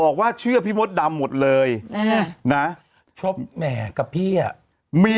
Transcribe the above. กระทืบไลค์เลยค่ะ